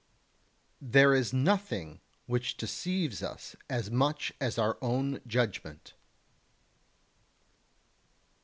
There is nothing which deceives us as much as our own judgement.